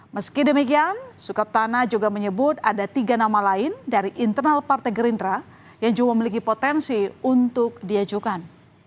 meski demikian sukaptana juga menyebut ada tiga nama lain dari internal partai gerindra yang juga memiliki potensi untuk diajukan